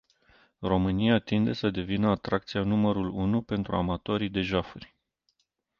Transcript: România tinde să devină atracția numărul unu pentru amatorii de jafuri.